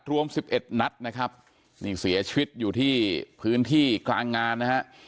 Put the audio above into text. รวม๑๑นัดนะครับนี่เสียชีวิตอยู่ที่พื้นที่กลางงานนะฮะ